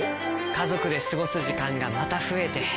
家族で過ごす時間がまた増えて。